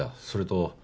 それと。